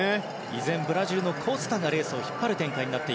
依然ブラジルのコスタがレースを引っ張る展開。